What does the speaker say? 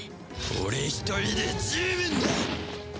俺一人で十分だ！